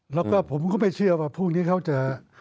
แล้วก็ผมก็ไม่เชื่อว่าพรุ่งนี้เขาจะ